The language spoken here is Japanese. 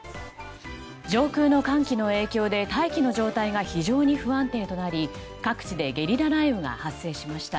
上空の寒気の影響で大気の状態が非常に不安定となり、各地でゲリラ雷雨が発生しました。